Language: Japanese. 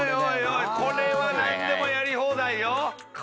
これは何でもやり放題よ。